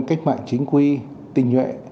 cách mạng chính quy tinh nhuệ